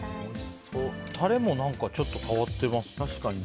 タレもちょっと変わってますね。